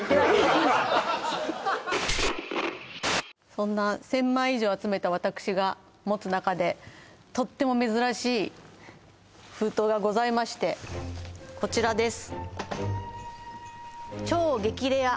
そんな１０００枚以上集めた私が持つなかでとっても珍しい封筒がございましてこちらです